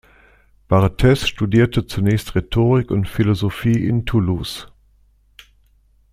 Barthez studierte zunächst Rhetorik und Philosophie in Toulouse.